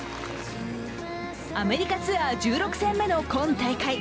アメリカツアー１６戦目の今大会。